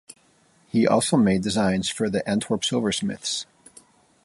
He also made designs for the Antwerp silversmiths.